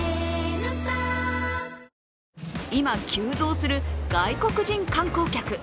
今、急増する外国人観光客。